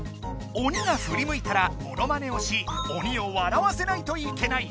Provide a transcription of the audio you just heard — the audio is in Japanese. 鬼がふりむいたらモノマネをし鬼をわらわせないといけない。